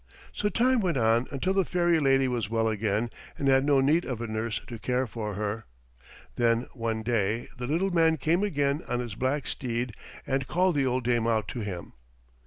So time went on until the fairy lady was well again and had no need of a nurse to care for her. Then one day the little man came again on his black steed and called the old dame out to him.